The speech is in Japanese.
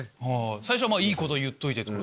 最初はいいことを言っておいて。